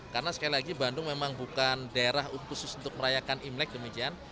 karena sekali lagi bandung memang bukan daerah khusus untuk merayakan imlek demikian